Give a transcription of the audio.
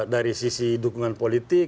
dari sisi dukungan politik